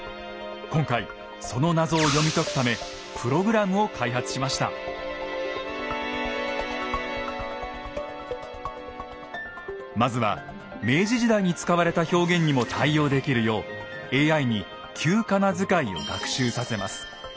今回その謎を読み解くためまずは明治時代に使われた表現にも対応できるようＡＩに旧仮名遣いを学習させます。